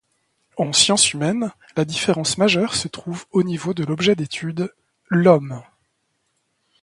En sciences humaines, la différence majeure se trouve au niveau de l'objet d'étude, l'Homme.